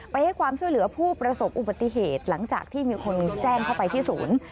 ให้ความช่วยเหลือผู้ประสบอุบัติเหตุหลังจากที่มีคนแจ้งเข้าไปที่ศูนย์